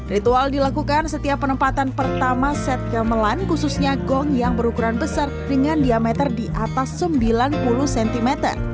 ritual dilakukan setiap penempatan pertama set gamelan khususnya gong yang berukuran besar dengan diameter di atas sembilan puluh cm